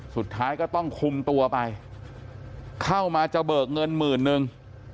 สุดท้ายก็ต้องคุมตัวไปเข้ามาจะเบิกเงินหมื่นนึง